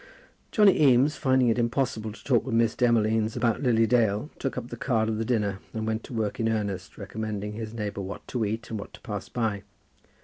Johnny Eames, finding it impossible to talk to Miss Demolines about Lily Dale, took up the card of the dinner and went to work in earnest, recommending his neighbour what to eat and what to pass by.